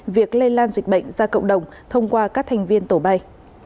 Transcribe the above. việc lây lan dịch bệnh ra cộng đồng thông qua các thành viên tổ bay